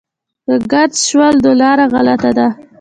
که ګنګس شول نو لاره غلطه ده.